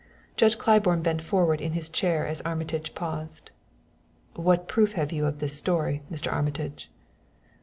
Judge Claiborne bent forward in his chair as Armitage paused. "What proof have you of this story, Mr. Armitage?"